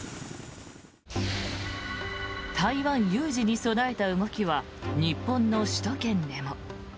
台湾有事に備えた動きは日本の首都圏でも。